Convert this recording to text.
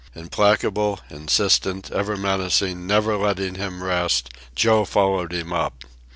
Implacable, insistent, ever menacing, never letting him rest, Joe followed him up.